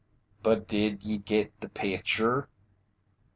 "But did ye git the picture?"